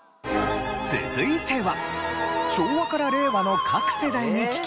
続いては。